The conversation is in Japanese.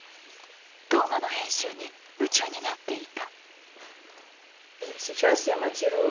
動画の編集に夢中になっていた。